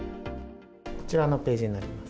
こちらのページになります。